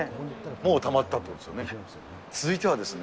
もうたまったということですよね。